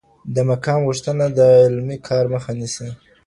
د مقام غوښتنه د علمي کار مخه نیسي.